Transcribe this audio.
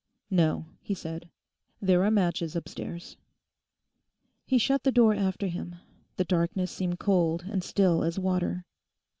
'No,' he said, 'there are matches upstairs.' He shut the door after him. The darkness seemed cold and still as water.